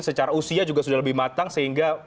secara usia juga sudah lebih matang sehingga